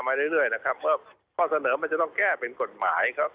มาเรื่อยนะครับเพราะข้อเสนอมันจะต้องแก้เป็นกฎหมายครับ